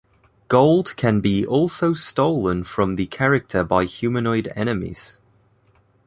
Gold can also be stolen from the character by humanoid enemies.